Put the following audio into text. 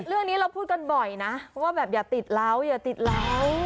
เรื่องนี้เราพูดกันบ่อยนะว่าแบบอย่าติดเหล้าอย่าติดเหล้า